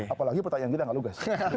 apalagi pertanyaan kita gak lugas